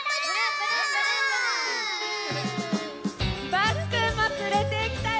・バスくんもつれてきたよ！